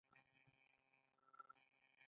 د اسهال لپاره د مستو او اوبو څاڅکي وکاروئ